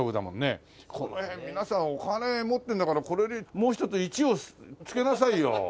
この辺皆さんお金持ってるんだからこれにもう一つ１を付けなさいよ。